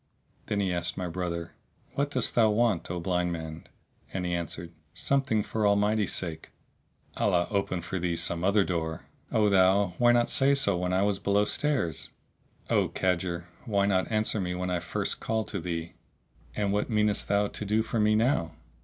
Then he asked my brother, "What dost thou want, O blind man?" and he answered, "Something for the Almighty's sake." "Allah open for thee some other door!" "O thou! why not say so when I was below stairs?" "O cadger, why not answer me when I first called to thee?" "And what meanest thou to do for me now?"